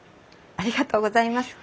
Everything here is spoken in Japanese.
ありがとうございます。